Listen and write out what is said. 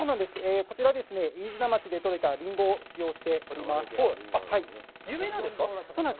こちら、飯綱町でとれたリンゴを使用しております。